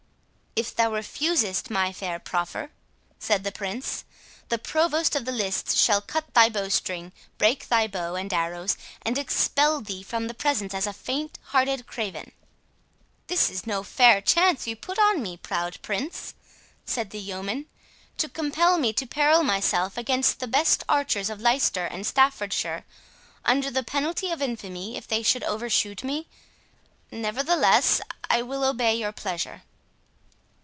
"If thou refusest my fair proffer," said the Prince, "the Provost of the lists shall cut thy bowstring, break thy bow and arrows, and expel thee from the presence as a faint hearted craven." "This is no fair chance you put on me, proud Prince," said the yeoman, "to compel me to peril myself against the best archers of Leicester and Staffordshire, under the penalty of infamy if they should overshoot me. Nevertheless, I will obey your pleasure."